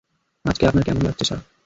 আজকে আপনার কেমন লাগছে, স্যার?